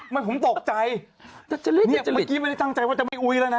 ไม่ผมตกใจเนี่ยเมื่อกี้ไม่ได้ตั้งใจว่าจะไม่อุ๊ยแล้วนะ